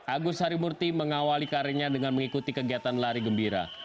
agus harimurti mengawali karirnya dengan mengikuti kegiatan lari gembira